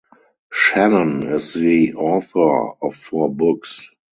Shannon is the author of four books.